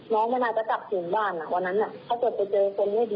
น้องมันอาจจะกลับถึงบ้านอ่ะวันนั้นถ้าเกิดไปเจอคนไม่ดี